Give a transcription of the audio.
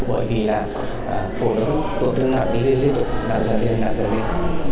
bởi vì là tổn thương nặng đi liên tục nặng dần lên nặng dần lên